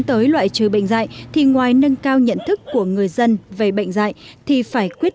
tới loại trừ bệnh dạy thì ngoài nâng cao nhận thức của người dân về bệnh dạy thì phải quyết